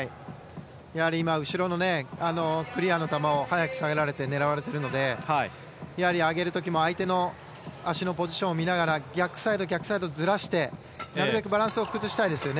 今、後ろのクリアの球を早く下げられて狙われているので上げる時も相手の足のポジションを見ながら逆サイドにずらしてなるべくバランスを崩したいですね。